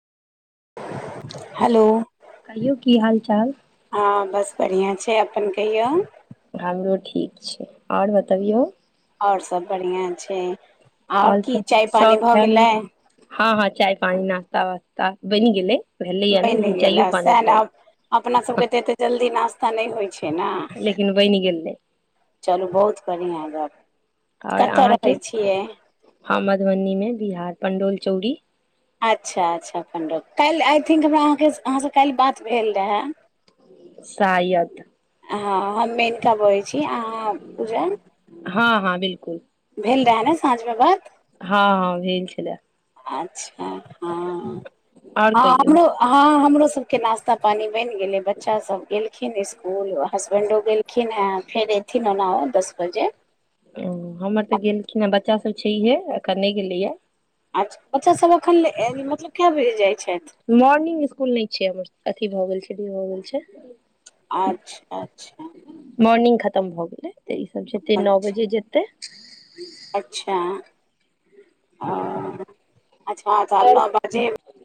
Hello. कहियौ की हाल चाल हँ बस बढ़िआँ छै अपन कहियौ। हमरो ठीक छै, आओर बतबियौ। आओर सब बढ़िआँ छै, आओर की चाय पानी सब भऽ फैमिली गेलै। से हँ हँ चाय पानी नास्ता वास्ता बनि गेलै, भेलैये नै बनि लेकिन चाय गेलै पानी सएह भ ने गेलै। आब अपना सभके तऽ एतेक जल्दी नाश्ता नहि होइ छै ने। लेकिन बनि गेलै चलू बहुत बढ़िआँ गप। आओर कतऽ रहै अहाँके, छियै हम मधुबनीमे बिहार पण्डौल चौरी अच्छा अच्छा पण्डव काल्हि आइ थिंक हमरा अहाँके अहाँसे काल्हि बात भेल रहए शायद हँ हम मेननका बजैत छी अहाँ पूजन हँ हँ बिलकुल भेल रहै ने साँझमे गप। हँ हँ भेल छलै अच्छा हँ आओर हँ कहियौ हमरो हां हां हमरो सब के नाास्ता पानी बैन गेलै बच्चा सब गेलखिन स्कूल, हसबेंडो गेल खिनहे फेर एथिन ओना ओ दस बजे ओ हमर तऽ गेलखिन हे बच्चा सब छैहे अखन नहि गेलैये अच्छा बच्चासभ एखन मतलब कय बजे जाइत छथि मॉर्निंग इसकुल नहि छै हमर अथी भए गेल छै डे भए गेल छै अच्छा अच्छा। मॉर्निंग खतम भऽ गेलै त ई सब जेतै नओ अच्छा बजे जेतै। अच्छा ओ अच्छा तब नओ बजे